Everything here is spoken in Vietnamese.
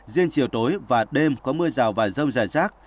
riêng chiều tối và đêm có mưa rào và rông rải rác